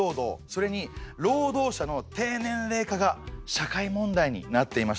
それに労働者の低年齢化が社会問題になっていました。